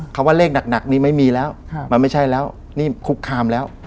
คำว่าเลขหนักนี่ไม่มีแล้วมันไม่ใช่แล้วนี่คุกคามแล้ว